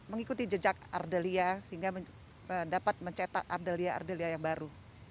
mengikuti jejak ardelia sehingga dapat mencetak ardelia ardelia yang baru